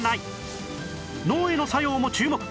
脳への作用も注目！